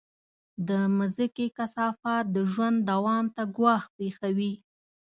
د مځکې کثافات د ژوند دوام ته ګواښ پېښوي.